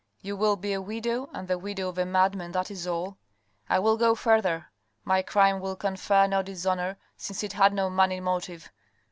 You will be a widow, and the widow of a madman — that is all. I will go further — my crime will confer no dishonour, since it had no money motive.